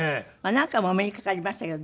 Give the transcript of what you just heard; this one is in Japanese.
何回もお目にかかりましたけど